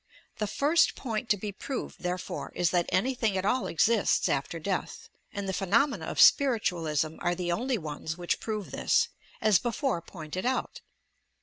The first point to be proved, therefore, is that anything at all exists after death, and the phe nomena of spiritualism are the only ones which prove this, as before pointed out.